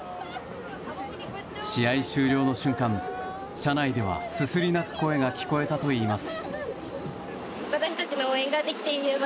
試合終了の瞬間、車内ではすすり泣く声が聞こえたといいます。